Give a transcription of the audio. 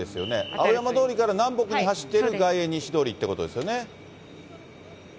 青山通りから南北に走っている外苑西通りということですよね？